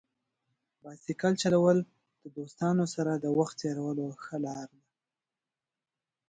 بایسکل چلول د دوستانو سره د وخت تېرولو ښه لار ده.